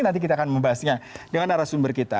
nanti kita akan membahasnya dengan arah sumber kita